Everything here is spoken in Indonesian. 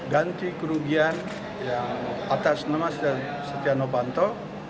ganti kerugian yang atas nama setia novanto